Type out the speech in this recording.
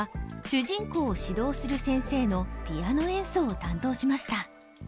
主人公を指導する先生のピアノ演奏を担当しました。